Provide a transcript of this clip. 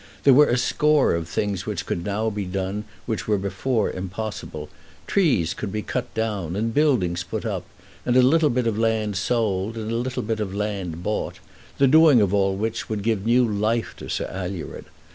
There were a score of things which could now be done which were before impossible. Trees could be cut down, and buildings put up; and a little bit of land sold, and a little bit of land bought; the doing of all which would give new life to Sir Alured.